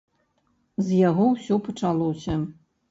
З яго ўсё пачалося.